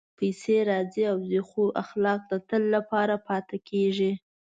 پېسې راځي او ځي، خو اخلاق د تل لپاره پاتې کېږي.